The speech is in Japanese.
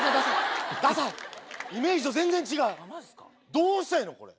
どうしたらええのこれ。